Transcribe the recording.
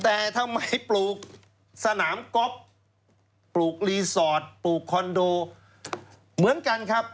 แต่ทำไมปลูกสนามก๊อฟปลูกรีสอร์ทปลูกคอนโดเหมือนกันครับ